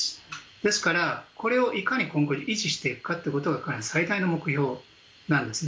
ですから、これをいかに今後維持していくかということが最大の目標なんですね。